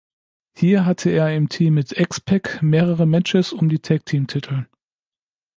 Hier hatte er im Team mit X-Pac mehrere Matches um die "Tag Team Titel".